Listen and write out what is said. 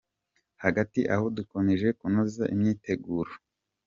Hagati aho, dukomeje kunoza imyiteguro :